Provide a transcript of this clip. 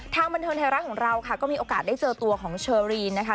บันเทิงไทยรัฐของเราค่ะก็มีโอกาสได้เจอตัวของเชอรีนนะคะ